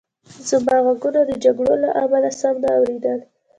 زما غوږونو د جګړې له امله سم نه اورېدل